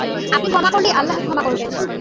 আপনি ক্ষমা করলেই আল্লাহ ক্ষমা করবেন।